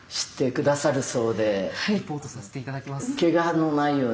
リポートさせて頂きます。